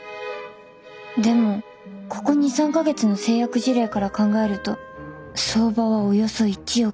でもここ２３か月の成約事例から考えると相場はおよそ１億。